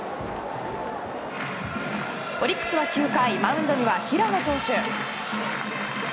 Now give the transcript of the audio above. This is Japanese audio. オリックスは９回マウンドには平野投手。